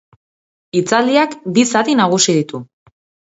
Hitzaldiak bi zati nagusi ditu.